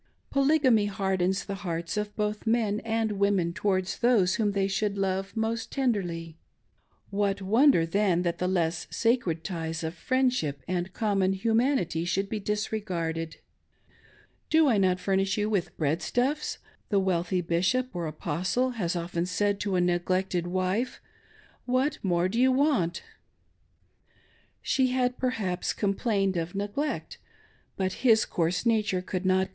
Polygamy hardens the hearts of both men and women towards those whom they should love most tenderly; what wonder then that the less sacred ties of friendship and common humanity should be disregarded .■•" Do I not furnish you with breadstuffs.?" the wealthy Bishop or Apostle has often said to a neglected wife, "what more do you want.'" She had per haps complained of neglect, but his coarse nature could not DOMESTIC ARRANGEMENTS IN POLYGAMY.